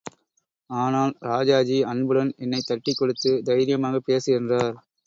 ஆனால் ராஜாஜி அன்புடன் என்னைத் தட்டிக் கொடுத்து தைரியமாகப் பேசு என்றார்.